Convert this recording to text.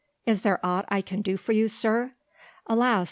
"Is there aught I can do for you, sir? Alas!